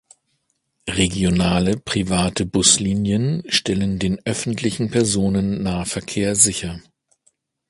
Regionale private Buslinien stellen den öffentlichen Personennahverkehr sicher.